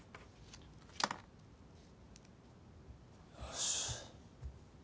よし。